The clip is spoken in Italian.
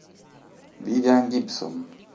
Vivian Gibson